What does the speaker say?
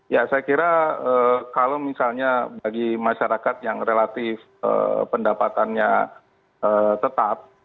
ya saya kira kalau misalnya bagi masyarakat yang relatif pendapatannya tetap